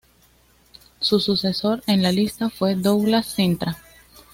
Su sucesor en la lista fue Douglas Cintra.